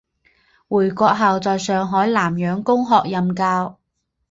回国后在上海南洋公学任教。